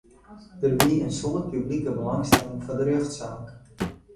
Der wie in soad publike belangstelling foar de rjochtsaak.